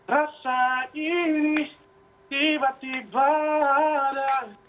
rasa ini tiba tiba ada